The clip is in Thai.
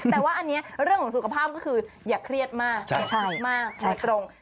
แต่ว่าอันนี้เรื่องของสุขภาพก็คืออย่าเครียดมากใช้ตรง